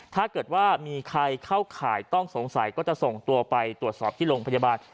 ถ้าเกิดว่ามีใครเข้าข่ายต้องสงสัยก็จะส่งตัวไปตรวจสอบที่โรงพยาบาล